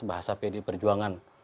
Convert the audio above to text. bahasa p di perjuangan